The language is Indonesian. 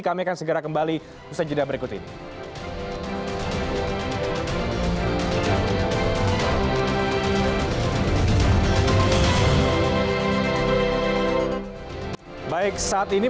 kami akan segera kembali bersajidah berikut ini